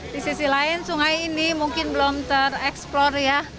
di sisi lain sungai ini mungkin belum tereksplor ya